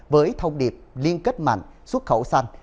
với thông điệp liên kết mạnh xuất khẩu xanh